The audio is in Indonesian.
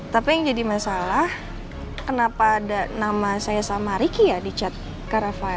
tapi yang jadi masalah kenapa ada nama saya sama riki ya di chat karafael